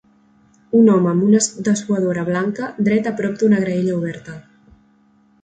Un home amb una dessuadora blanca dret a prop d'una graella oberta.